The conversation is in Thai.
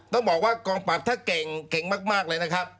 ต้องบอกว่ากองปรับถ้าเก่งเก่งมากเลยนะครับ